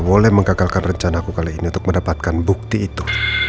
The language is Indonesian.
boleh mengagalkan rencana aku kali ini untuk mendapatkan bukti itu